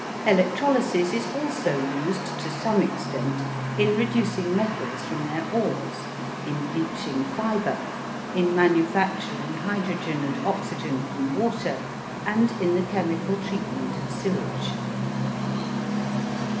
Electrolysis is also used to some extent in reducing metals from their ores, in bleaching fibre, in manufacturing hydrogen and oxygen from water, and in the chemical treatment of sewage.